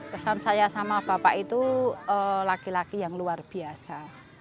kesan saya sama bapak itu laki laki yang luar biasa